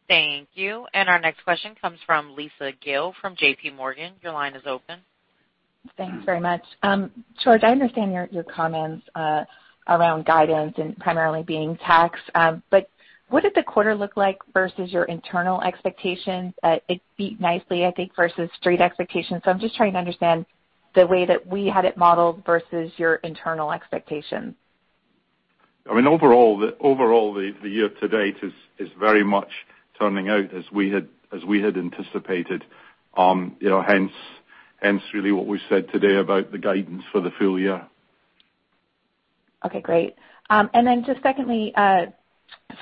Thank you. Our next question comes from Lisa Gill from J.P. Morgan. Your line is open. Thanks very much. George, I understand your comments around guidance and primarily being tax. What did the quarter look like versus your internal expectations? It beat nicely, I think, versus street expectations. I'm just trying to understand the way that we had it modeled versus your internal expectations. Overall, the year to date is very much turning out as we had anticipated hence really what we said today about the guidance for the full year. Okay, great. Just secondly,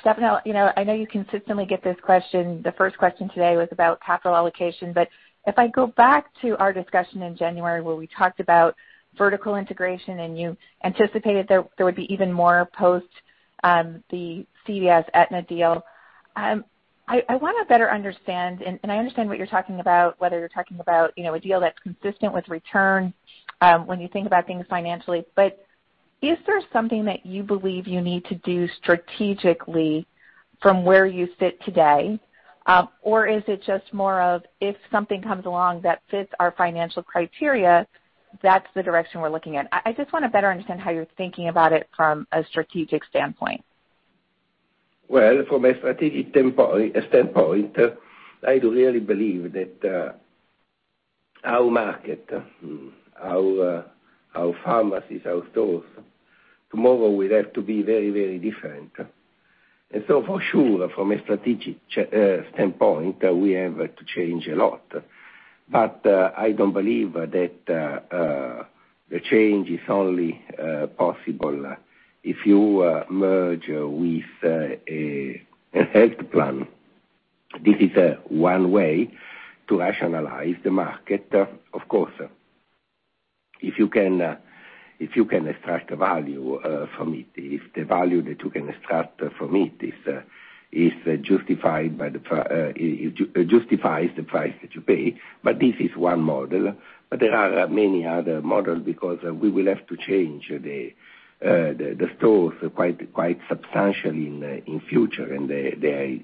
Stefano, I know you consistently get this question. The first question today was about capital allocation. If I go back to our discussion in January where we talked about vertical integration and you anticipated there would be even more post the CVS Aetna deal. I want to better understand, I understand what you're talking about, whether you're talking about a deal that's consistent with return when you think about things financially. Is there something that you believe you need to do strategically from where you sit today? Is it just more of, if something comes along that fits our financial criteria, that's the direction we're looking at? I just want to better understand how you're thinking about it from a strategic standpoint. Well, from a strategic standpoint, I do really believe that our market, our pharmacies, our stores, tomorrow will have to be very different. For sure, from a strategic standpoint, we have to change a lot. I don't believe that the change is only possible if you merge with a health plan. This is one way to rationalize the market, of course. If you can extract value from it, if the value that you can extract from it justifies the price that you pay, but this is one model. There are many other models because we will have to change the stores quite substantially in future and the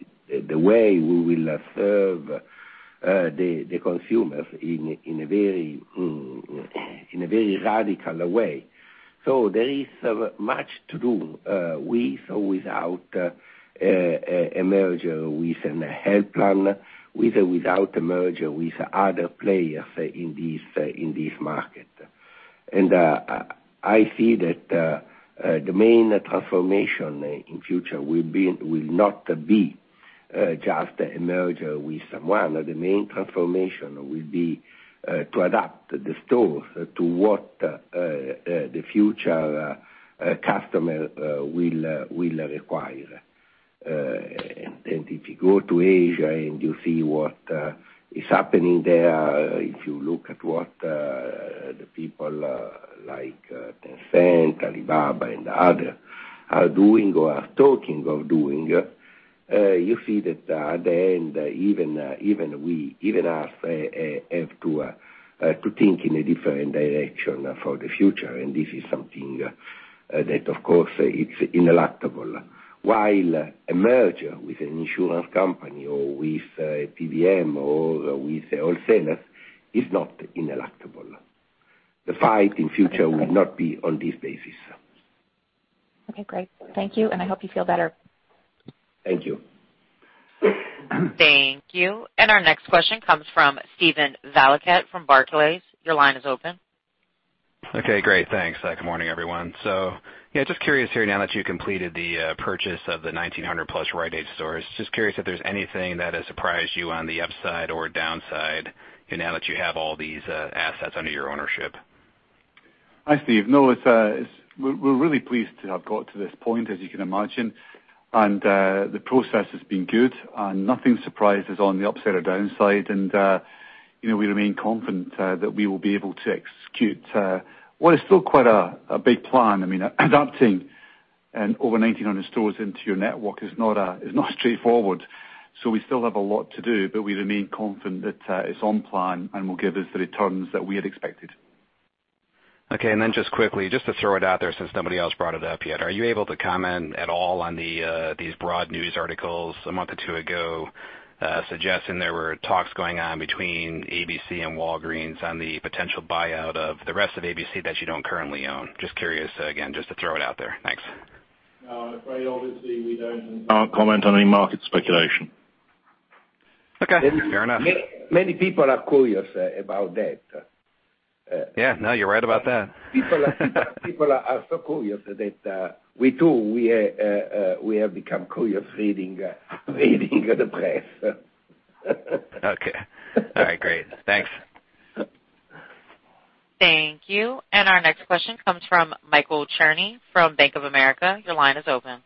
way we will serve the consumers in a very radical way. There is much to do, with or without a merger with a health plan, with or without a merger with other players in this market. I see that the main transformation in future will not be just a merger with someone. The main transformation will be to adapt the stores to what the future customer will require. If you go to Asia and you see what is happening there, if you look at what the people like Tencent, Alibaba, and others are doing or are talking of doing, you see that at the end, even us have to think in a different direction for the future. This is something that, of course, it's ineluctable. While a merger with an insurance company or with a PBM or with wholesalers is not ineluctable. The fight in future will not be on this basis. Okay, great. Thank you, and I hope you feel better. Thank you. Thank you. Our next question comes from Steven Valiquette from Barclays. Your line is open. Okay, great. Thanks. Good morning, everyone. Just curious here, now that you completed the purchase of the 1,900 plus Rite Aid stores, just curious if there's anything that has surprised you on the upside or downside now that you have all these assets under your ownership. Hi, Steve. No, we're really pleased to have got to this point, as you can imagine. The process has been good, and nothing surprises on the upside or downside. We remain confident that we will be able to execute what is still quite a big plan. Adapting over 1,900 stores into your network is not straightforward. We still have a lot to do, but we remain confident that it's on plan and will give us the returns that we had expected. Okay. Just quickly, just to throw it out there since nobody else brought it up yet. Are you able to comment at all on these broad news articles a month or two ago suggesting there were talks going on between ABC and Walgreens on the potential buyout of the rest of ABC that you don't currently own? Just curious, again, just to throw it out there. Thanks. No, I'm afraid obviously we don't comment on any market speculation. Okay. Fair enough. Many people are curious about that. Yeah. No, you're right about that. People are so curious that we, too, have become curious reading the press. Okay. All right. Great. Thanks. Thank you. Our next question comes from Michael Cherny from Bank of America. Your line is open.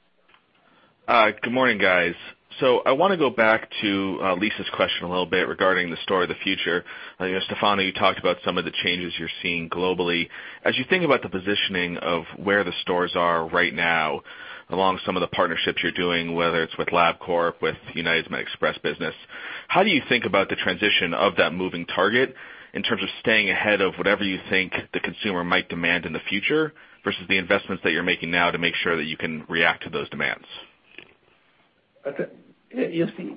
Good morning, guys. I want to go back to Lisa's question a little bit regarding the store of the future. Stefano, you talked about some of the changes you're seeing globally. As you think about the positioning of where the stores are right now, along some of the partnerships you're doing, whether it's with LabCorp, with UnitedHealth Express business, how do you think about the transition of that moving target in terms of staying ahead of whatever you think the consumer might demand in the future versus the investments that you're making now to make sure that you can react to those demands? You see,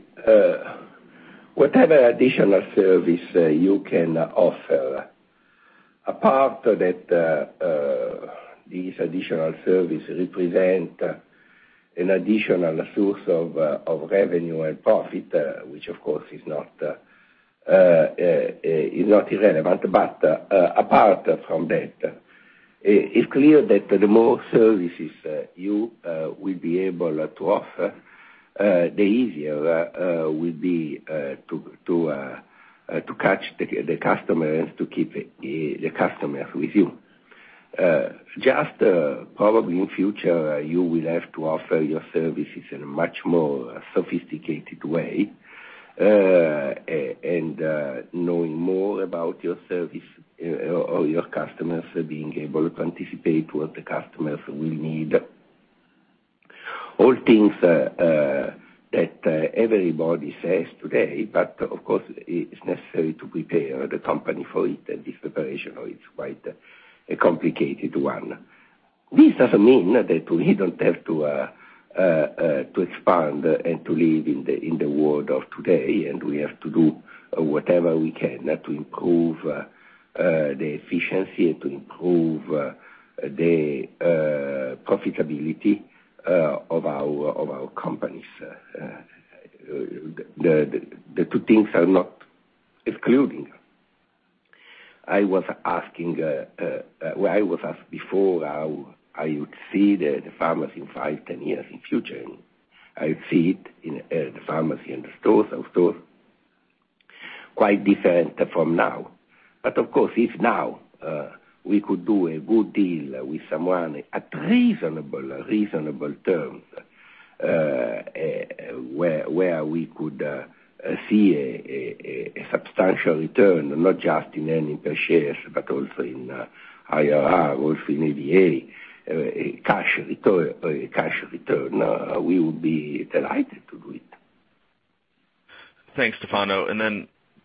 whatever additional service you can offer, apart that these additional services represent an additional source of revenue and profit, which, of course, is not irrelevant. Apart from that, it's clear that the more services you will be able to offer, the easier will be to catch the customers, to keep the customers with you. Just probably in future, you will have to offer your services in a much more sophisticated way. Knowing more about your service or your customers being able to anticipate what the customers will need. All things that everybody says today, of course, it's necessary to prepare the company for it, and this preparation is quite a complicated one. This doesn't mean that we don't have to expand and to live in the world of today. We have to do whatever we can to improve the efficiency and to improve the profitability of our companies. The two things are not excluding. I was asked before how I would see the pharmacy in five, 10 years in future. I see it, the pharmacy and the stores, of course, quite different from now. Of course, if now we could do a good deal with someone at reasonable terms, where we could see a substantial return, not just in earnings per share, but also in IRR, also in ADA, cash return, we would be delighted to do it. Thanks, Stefano.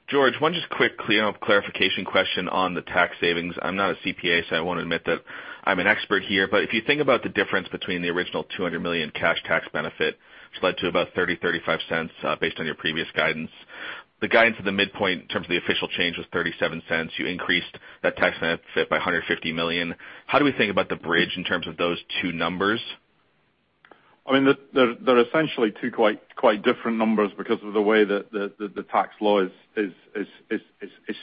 George, one just quick clarification question on the tax savings. I'm not a CPA, so I won't admit that I'm an expert here. If you think about the difference between the original $200 million cash tax benefit, which led to about $0.30, $0.35 based on your previous guidance. The guidance at the midpoint in terms of the official change was $0.37. You increased that tax benefit by $150 million. How do we think about the bridge in terms of those two numbers? They're essentially two quite different numbers because of the way that the tax law is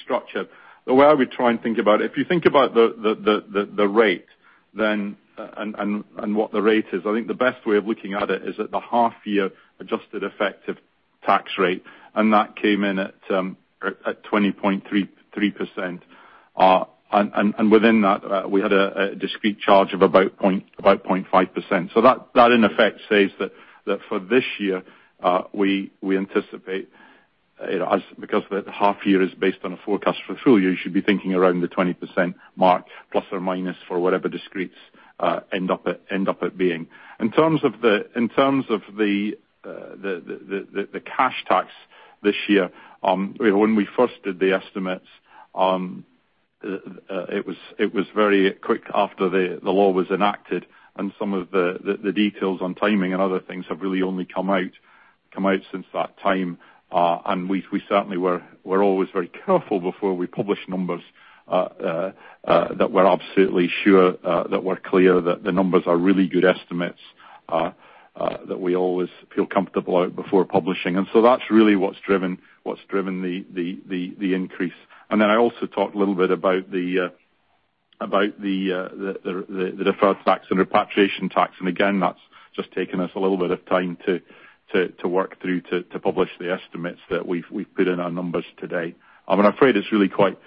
structured. The way I would try and think about it, if you think about the rate, what the rate is, I think the best way of looking at it is at the half year adjusted effective tax rate, and that came in at 20.3%. Within that, we had a discrete charge of about 0.5%. That in effect says that for this year, we anticipate, because the half year is based on a forecast for the full year, you should be thinking around the 20% mark, plus or minus for whatever discretes end up at being. In terms of the cash tax this year, when we first did the estimates, it was very quick after the law was enacted and some of the details on timing and other things have really only come out since that time. We certainly were always very careful before we published numbers, that we're absolutely sure that we're clear that the numbers are really good estimates, that we always feel comfortable out before publishing. That's really what's driven the increase. I also talked a little bit about the deferred tax and repatriation tax, and again, that's just taken us a little bit of time to work through to publish the estimates that we've put in our numbers today. I'm afraid it's really quite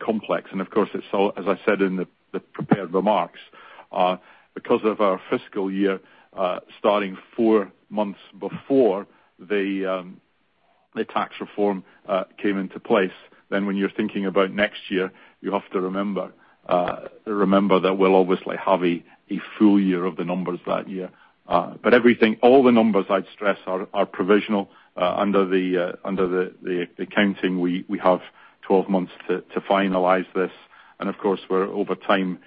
complex. Of course, as I said in the prepared remarks, because of our fiscal year starting four months before the tax reform came into place, when you're thinking about next year, you have to remember that we'll obviously have a full year of the numbers that year. Everything, all the numbers, I'd stress, are provisional. Under the accounting, we have 12 months to finalize this. Of course, we're over time,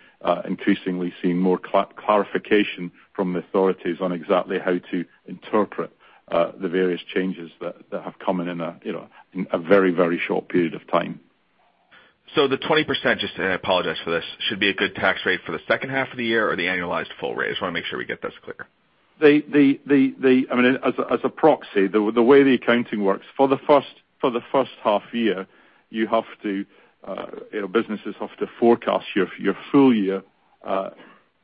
increasingly seeing more clarification from the authorities on exactly how to interpret the various changes that have come in in a very short period of time. The 20%, just, I apologize for this, should be a good tax rate for the second half of the year or the annualized full rate? I just want to make sure we get this clear. As a proxy, the way the accounting works, for the first half year, businesses have to forecast your full year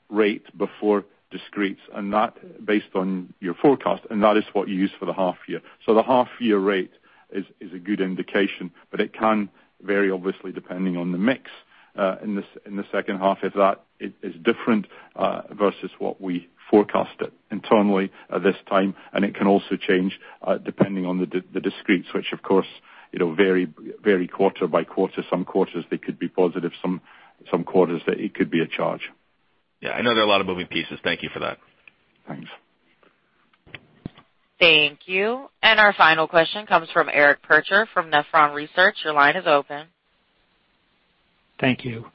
rate before discretes based on your forecast, that is what you use for the half year. The half year rate is a good indication, it can vary, obviously, depending on the mix in the second half, if that is different versus what we forecasted internally at this time. It can also change, depending on the discretes, which of course, vary quarter by quarter. Some quarters they could be positive. Some quarters, it could be a charge. I know there are a lot of moving pieces. Thank you for that. Thanks. Thank you. Our final question comes from Eric Percher from Nephron Research. Your line is open. Thank you.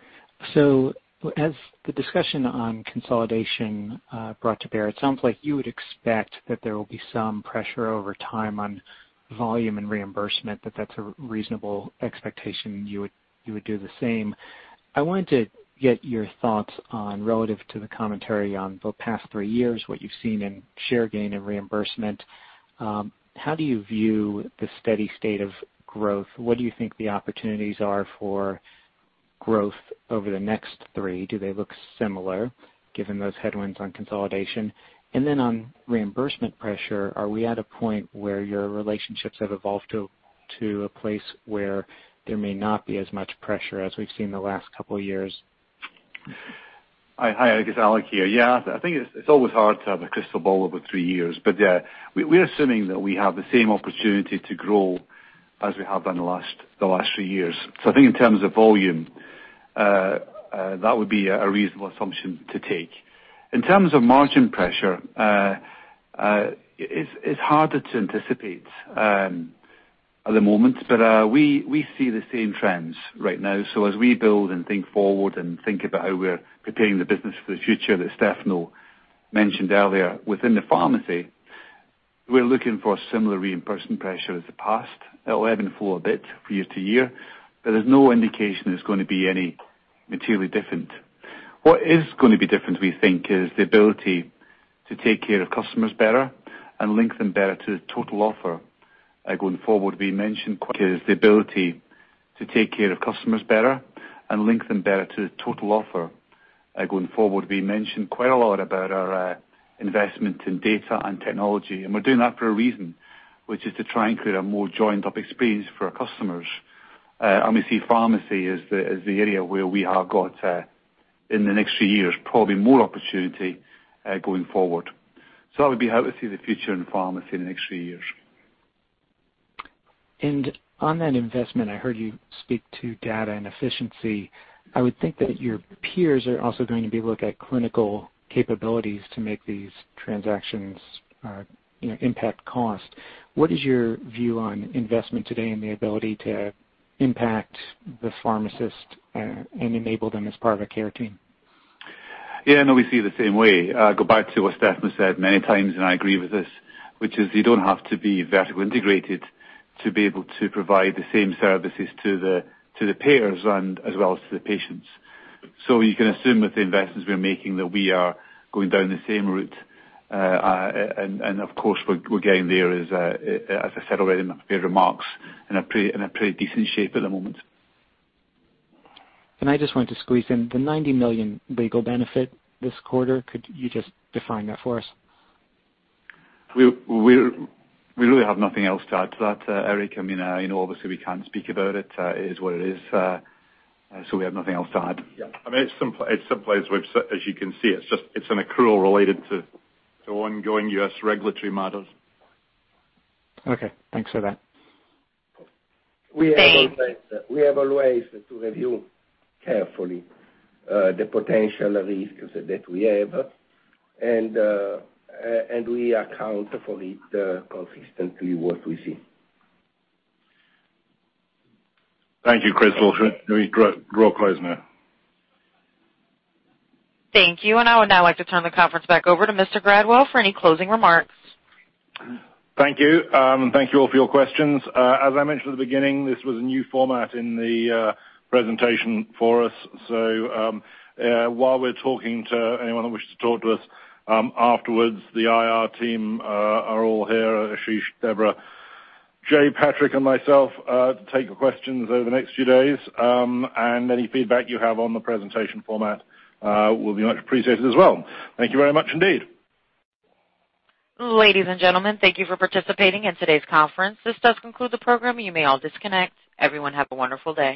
As the discussion on consolidation brought to bear, it sounds like you would expect that there will be some pressure over time on volume and reimbursement, that that's a reasonable expectation you would do the same. I wanted to get your thoughts on relative to the commentary on the past three years, what you've seen in share gain and reimbursement. How do you view the steady state of growth? What do you think the opportunities are for growth over the next three? Do they look similar given those headwinds on consolidation? Then on reimbursement pressure, are we at a point where your relationships have evolved to a place where there may not be as much pressure as we've seen the last couple of years? Hi, I guess Alex here. I think it's always hard to have a crystal ball about three years. We're assuming that we have the same opportunity to grow as we have done the last three years. I think in terms of volume, that would be a reasonable assumption to take. In terms of margin pressure, it's harder to anticipate at the moment. We see the same trends right now. As we build and think forward and think about how we're preparing the business for the future, as Stefano mentioned earlier, within the pharmacy, we're looking for a similar reimbursement pressure as the past. It will ebb and flow a bit year to year, but there's no indication it's going to be any materially different. What is going to be different, we think, is the ability to take care of customers better and link them better to the total offer. Going forward, we mentioned quite a lot about our investment in data and technology, and we're doing that for a reason, which is to try and create a more joined-up experience for our customers. We see pharmacy as the area where we have got, in the next few years, probably more opportunity going forward. That would be how we see the future in pharmacy in the next few years. On that investment, I heard you speak to data and efficiency. I would think that your peers are also going to be looking at clinical capabilities to make these transactions impact cost. What is your view on investment today and the ability to impact the pharmacist and enable them as part of a care team? Yeah, no, we see the same way. Go back to what Stefano said many times, I agree with this, which is you don't have to be vertically integrated to be able to provide the same services to the payers and as well as to the patients. You can assume with the investments we are making, that we are going down the same route. Of course, we're getting there, as I said already in my prepared remarks, in a pretty decent shape at the moment. I just wanted to squeeze in. The $90 million legal benefit this quarter, could you just define that for us? We really have nothing else to add to that, Eric. Obviously, we can't speak about it. It is what it is. We have nothing else to add. Yeah. It's simply as you can see, it's an accrual related to ongoing U.S. regulatory matters. Okay. Thanks for that. We have always- Thanks we have a way to review carefully the potential risks that we have, and we account for it consistently what we see. Thank you, Crystal. We draw close now. Thank you. I would now like to turn the conference back over to Mr. Gradwell for any closing remarks. Thank you. Thank you all for your questions. As I mentioned at the beginning, this was a new format in the presentation for us. While we're talking to anyone that wishes to talk to us afterwards, the IR team are all here, Ashish, Deborah, Jay, Patrick, and myself, to take your questions over the next few days. Any feedback you have on the presentation format will be much appreciated as well. Thank you very much indeed. Ladies and gentlemen, thank you for participating in today's conference. This does conclude the program. You may all disconnect. Everyone, have a wonderful day.